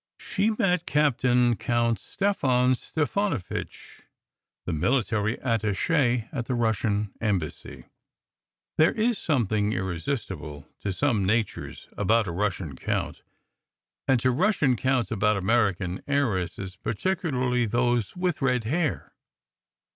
She met Captain Count Stefan Stefanovitch, the military attache of the Russian Embassy. There is something irresistible to some natures about a 182 SECRET HISTORY Russian count; and to Russian counts about American heiresses, particularly those with red hair.